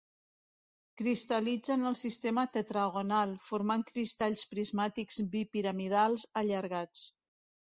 Cristal·litza en el sistema tetragonal, formant cristalls prismàtics bipiramidals allargats.